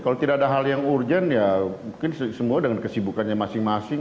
kalau tidak ada hal yang urgent ya mungkin semua dengan kesibukannya masing masing